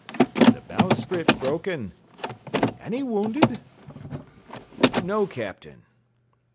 "The bowsprit broken." "Any wounded?" "No, Captain."